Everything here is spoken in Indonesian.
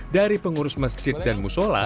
dari pengurus masjid dan musola